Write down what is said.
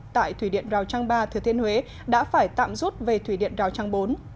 tại thủy điện rào trang ba thừa thiên huế đã phải tạm rút về thủy điện rào trang bốn